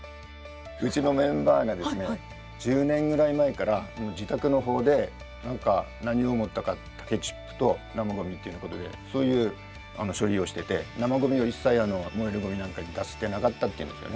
うちのメンバーがですね１０年ぐらい前から自宅の方で何を思ったか竹チップと生ごみっていうようなことでそういう処理をしてて生ごみを一切もえるごみなんかに出してなかったっていうんですよね。